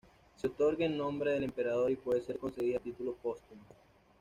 Se otorga en nombre del emperador y puede ser concedida a título póstumo.